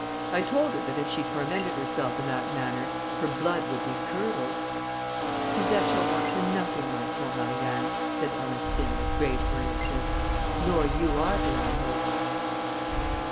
_' I told her that if she tormented herself in that manner her blood would be curdled." "Suzette shall want for nothing, my poor Marianne," said Ernestine, with great earnestness, "nor you either, I hope."